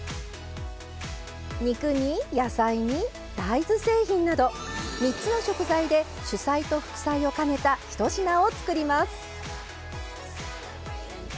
肉に野菜に大豆製品など３つの食材で主菜と副菜を兼ねた１品を作ります。